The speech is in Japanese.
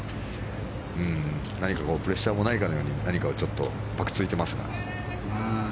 何かプレッシャーもないように何かをぱくついてますが。